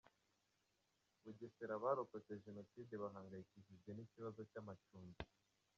Bugesera Abarokotse jenoside bahangayikishijwe n’ikibazo cy’amacumbi